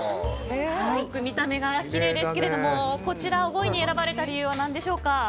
見た目がきれいですけれどもこちらを５位に選ばれた理由は何でしょうか。